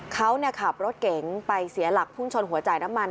เขาขับรถเก๋งไปเสียหลักพุ่งชนหัวจ่ายน้ำมัน